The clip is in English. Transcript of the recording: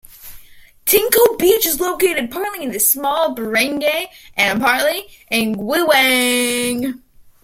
Tingko Beach is located partly in this small barangay and partly in Guiwang.